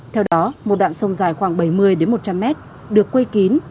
theo đó một đoạn sông dài khoảng bảy mươi một trăm linh mét được quây kín